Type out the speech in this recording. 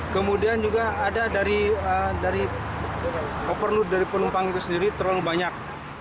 kemudian juga ada dari opernute dari penumpang itu sendiri terlalu banyak